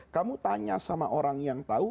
kamu tanya sama orang yang tahu